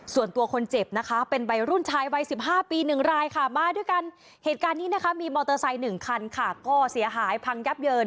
ส่วนตัวคนเจ็บนะคะเป็นใบรุ่นชายใบ๑๕ปี๑รายค่ะมาด้วยกันเหตุการณ์นี้ครับมีมอเตอร์ไซค์๑คันค่ะก็เสียหายพังยับเยิน